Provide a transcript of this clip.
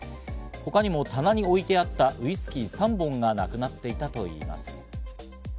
他にも棚に置いてあったウイスキー３本がなくなっていたといいます。